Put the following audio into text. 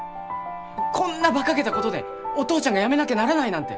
こんなバカげたことでお父ちゃんが辞めなきゃならないなんて！